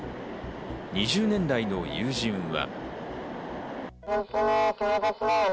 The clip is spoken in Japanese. ２０年来の友人は。